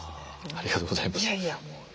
ありがとうございます。